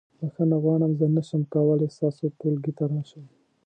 بخښنه غواړم زه نشم کولی ستاسو ټولګي ته راشم.